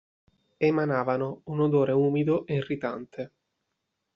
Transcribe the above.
Emanavano un odore umido e irritante.